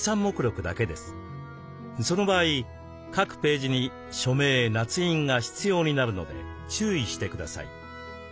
その場合各ページに署名なつ印が必要になるので注意してください。